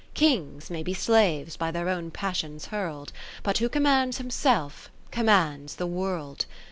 Kings may be slaves by their own passions hurl'd, But who commands himself com mands the World.